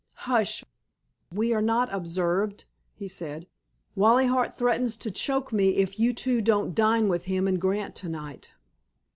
"Hush! We are not observed," he said. "Wally Hart threatens to choke me if you two don't dine with him and Grant to night."